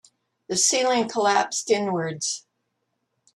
The ceiling collapsed inwards.